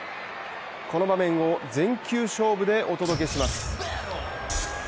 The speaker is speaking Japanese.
この場面を全球勝負でお届けします。